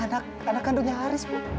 anak kandungnya haris bu